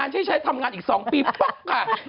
ใช้ทำงานอีก๒ปีปุ๊บค่ะ